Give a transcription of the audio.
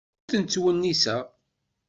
Ur tent-ttwenniseɣ.